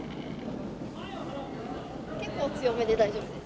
結構強めで大丈夫です。